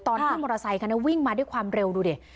ตอนที่มอเตอร์ไซคันนี้วิ่งมาด้วยความเร็วดูดิ